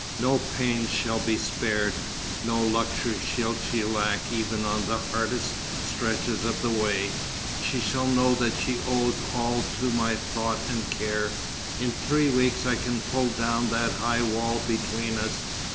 No pains shall be spared. No luxury shall she lack even on the hardest stretches of the way. She shall know that she owes all to my thought and care. In three weeks I can pull down that high wall between us.